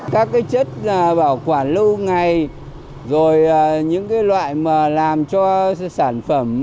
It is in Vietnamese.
các chất bảo quản lưu ngày rồi những loại làm cho sản phẩm